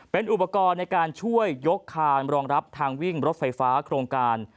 เป็นอุปกรณ์ในการช่วยยกคานรองรับทางวิ่งรถไฟฟ้าโครงการ